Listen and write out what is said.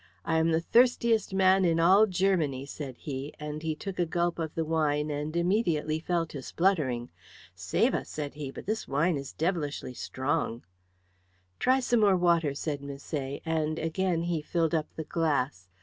"I am the thirstiest man in all Germany," said he, and he took a gulp of the wine and immediately fell to spluttering. "Save us," said he, "but this wine is devilishly strong." "Try some more water," said Misset, and again he filled up the glass.